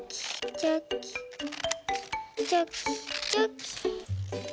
チョキチョキ。